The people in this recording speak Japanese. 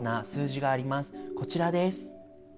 こちらです。